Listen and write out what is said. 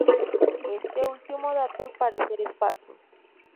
Este último dato al parecer es falso.